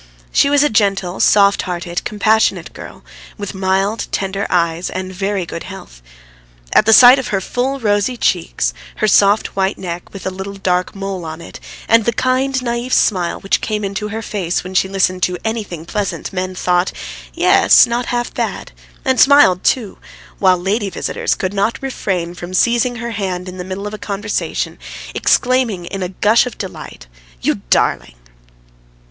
She was a gentle, soft hearted, compassionate girl, with mild, tender eyes and very good health. At the sight of her full rosy cheeks, her soft white neck with a little dark mole on it, and the kind, naïve smile, which came into her face when she listened to anything pleasant, men thought, "Yes, not half bad," and smiled too, while lady visitors could not refrain from seizing her hand in the middle of a conversation, exclaiming in a gush of delight, "You darling!"